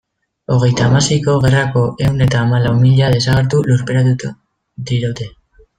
Hogeita hamaseiko gerrako ehun eta hamalau mila desagertu lurperatuta diraute.